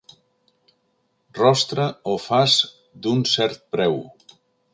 Rostre o faç d'un cert preu.